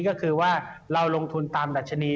ก็คือว่าเราลงทุนตามดัชนี